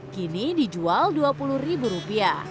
kini dijual dua puluh rupiah